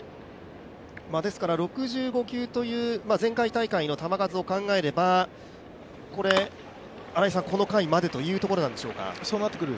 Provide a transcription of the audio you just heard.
６５球という前回大会の球数を考えれば新井さん、この回までというところなんでしょうか？